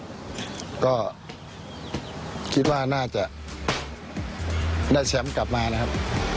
ก็ก็คิดว่าน่าจะได้แฉมกลับมานะ